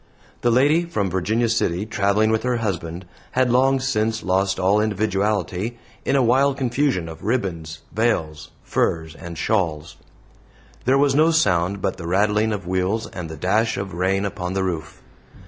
The lady from Virginia City, traveling with her husband, had long since lost all individuality in a wild confusion of ribbons, veils, furs, and shawls. There was no sound but the rattling of wheels and the dash of rain upon the roof.